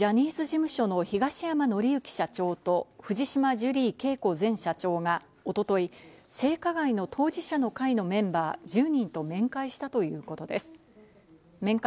一方、ジャニーズ事務所の東山紀之社長と、藤島ジュリー景子前社長が、おととい、性加害の当事者の会のメンバー１０人と面会したということです。